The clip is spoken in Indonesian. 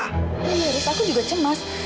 haris aku juga cemas